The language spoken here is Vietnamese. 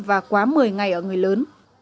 và quá một mươi ngày ở người lớn